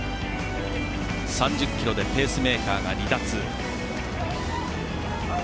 ３０ｋｍでペースメーカーが離脱。